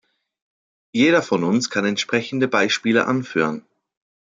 Jeder von uns kann entsprechende Beispiele anführen.